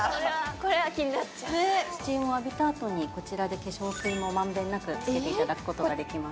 これは気になっちゃうスチームを浴びたあとにこちらで化粧水もまんべんなくつけていただくことができます